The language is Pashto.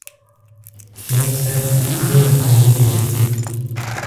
ملک صاحب ډېره کنځلې وکړې.